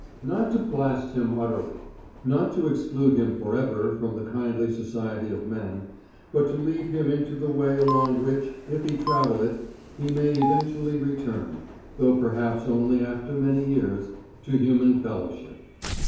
Not to blast him utterly, not to exclude him forever from the kindly society of men, but to lead him into the way along which if he travel it he may eventually return, though perhaps only after many years, to human fellowship.